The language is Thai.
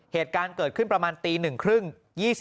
เหตุการณ์เกิดขึ้นประมาณตี๑๓๐